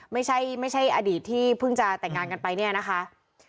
ไม่ใช่ไม่ใช่อดีตที่เพิ่งจะแต่งงานกันไปเนี่ยนะคะ